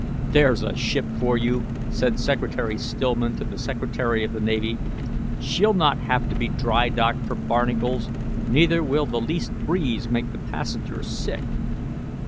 "There's a ship for you!" said Secretary Stillman to the Secretary of the Navy. "She'll not have to be dry docked for barnacles, neither will the least breeze make the passengers sick."